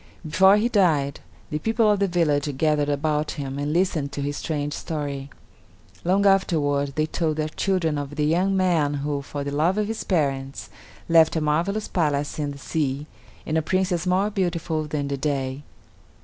Before he died, the people of the village gathered about him and listened to his strange story. Long afterward they told their children of the young man who, for the love of his parents, left a marvelous palace in the sea, and a Princess more beautiful than the day.